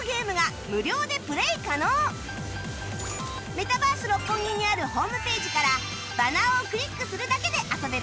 メタバース六本木にあるホームページからバナーをクリックするだけで遊べるよ